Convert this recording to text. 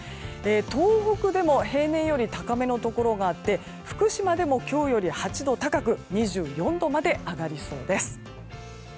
東北でも平年より高めのところがあって福島でも今日より８度高く２４度まで上がりそうです。